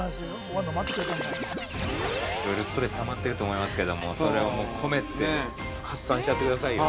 いろいろストレスがたまっていると思いますけど、それをこめて、発散しちゃってくださいよ。